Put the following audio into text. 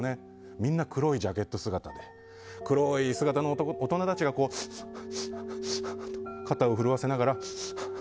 みんな黒ジャケット姿で黒い姿の大人たちが肩を震わせながら。